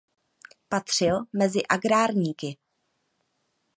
Patřil mezi agrárníky.